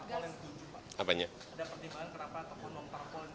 ada pertimbangan kenapa nontar polen tujuh